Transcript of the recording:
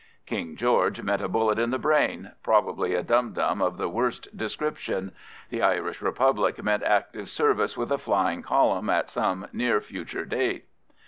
King George meant a bullet in the brain, probably a dum dum of the worst description; the Irish Republic meant active service with a flying column at some near future date.